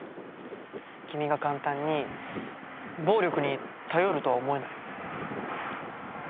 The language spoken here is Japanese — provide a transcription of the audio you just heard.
君が簡単に暴力に頼るとは思えない。